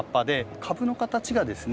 株の形がですね